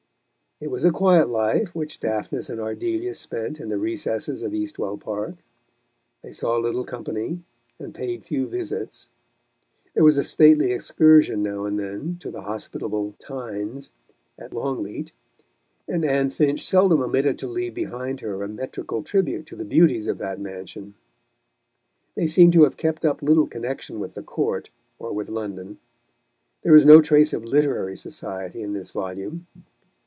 It was a quiet life which Daphnis and Ardelia spent in the recesses of Eastwell Park. They saw little company and paid few visits. There was a stately excursion now and then, to the hospitable Thynnes at Longleat, and Anne Finch seldom omitted to leave behind her a metrical tribute to the beauties of that mansion. They seem to have kept up little connection with the Court or with London. There is no trace of literary society in this volume.